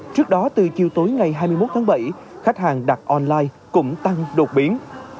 trước đó từ chiều tối ngày hai mươi một tháng bảy khách hàng đặt online cũng tăng đột biến